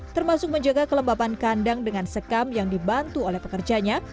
termasuk menjaga kelembapan kandang dengan sekam yang dibantu oleh pekerjanya